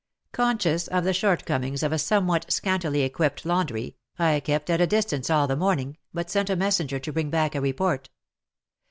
Con scious of the shortcomings of a somewhat scantily equipped laundry, I kept at a distance all the morning, but sent a messenger to bring back a report.